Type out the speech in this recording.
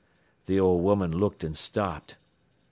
"Th' old woman looked an' stopped.